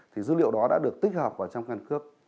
thì dữ liệu đó đã được tích hợp vào trong căn cước